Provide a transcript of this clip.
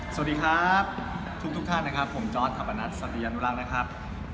สวัสดีครับทุกท่านนะครับผมจอร์ดทัพนัทสัตยานุรักษ์นะครับ